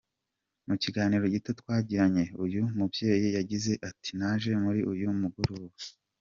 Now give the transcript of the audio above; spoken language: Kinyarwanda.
Mu kiganiro gito twagiranye, uyu mubyeyi yagize ati : “Naje muri uyu mugoroba.